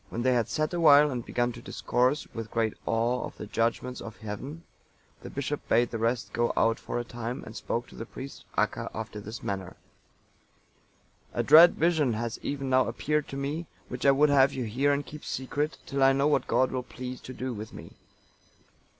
When they had sat awhile and begun to discourse, with great awe, of the judgements of heaven, the bishop bade the rest go out for a time, and spoke to the priest, Acca, after this manner: "A dread vision has even now appeared to me, which I would have you hear and keep secret, till I know what God will please to do with me.